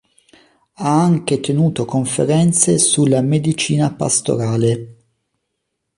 Ha anche tenuto conferenze sulla medicina pastorale.